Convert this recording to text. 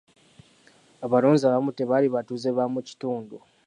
Abalonzi abamu tebaali batuuze ba mu kitundu